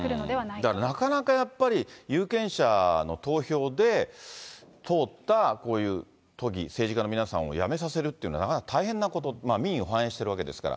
だからなかなかやっぱり、有権者の投票で、通ったこういう都議、政治家の皆さんを辞めさせるっていうのは、なかなか大変なこと、民意を反映してるわけですから。